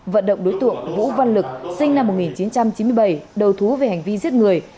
vận động đối tượng vũ văn lực sinh năm một nghìn chín trăm chín mươi bảy đầu thú về hành vi giết người